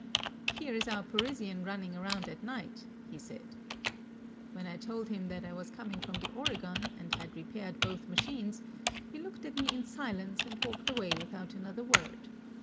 "Here is our Parisian running around at night," he said. When I told him that I was coming from the Oregon and had re paired both machines, he looked at me in silence and walked away without another word.